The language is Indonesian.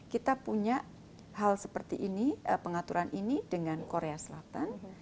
kita punya hal seperti ini pengaturan ini dengan korea selatan